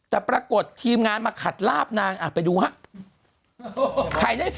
แต่ปรากฏทีมงานมาขัดลาบนางไปดูฮะ